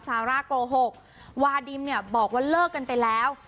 ซาร่าโกหกว่าดิมเนี่ยบอกว่าเลิกกันไปแล้ว